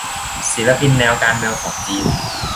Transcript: ศิลปินแนวการเมืองของจีน